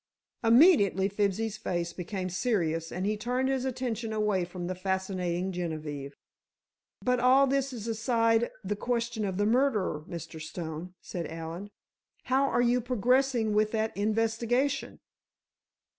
Immediately Fibsy's face became serious and he turned his attention away from the fascinating Genevieve. "But all this is aside the question of the murderer, Mr. Stone," said Allen. "How are you progressing with that investigation?"